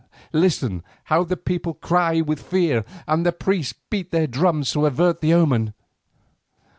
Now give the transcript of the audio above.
Listen how the people cry aloud with fear and the priests beat their drums to avert the omen.